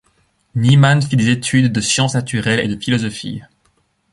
Niemann fit des études de sciences naturelles et de philosophie.